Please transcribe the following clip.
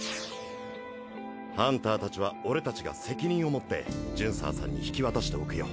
ハンターたちは俺たちが責任をもってジュンサーさんに引き渡しておくよ。